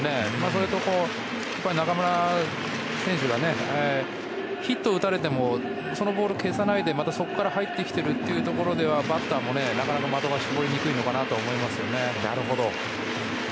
それと、中村選手がヒットを打たれてもそのボールを消さないでまたそこから入ってきてるってことはバッターもなかなか的が絞りにくいかなと思います。